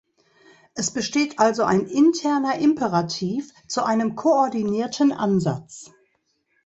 Es besteht also ein interner Imperativ zu einem koordinierten Ansatz.